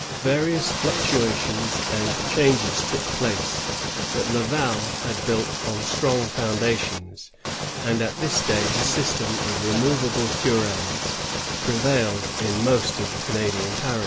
Various fluctuations and changes took place; but Laval had built on strong founda tions, and at this day the sjrstem of removable omis prevails in most of the Canadian parishes.